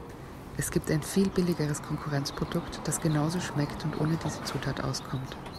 Es gibt ein viel billigeres Konkurrenzprodukt, das genauso schmeckt und ohne diese Zutat auskommt.